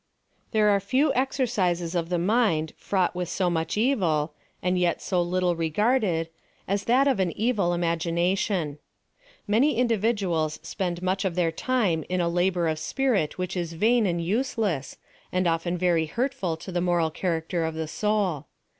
There are lew exercises of the mind fraught with SO much evil, and yet so little regarded, as that of an evil imagination. Many individuals spend much of their time in a labor of spirit which is vain and useless, and often very hurtful to the moral charac ter of the soul.